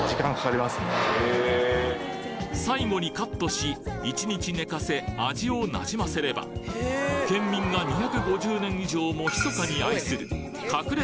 最後にカットし１日寝かせ味をなじませれば県民が２５０年以上も密かに愛する隠れ